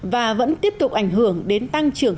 và vẫn tiếp tục ảnh hưởng đến tăng trưởng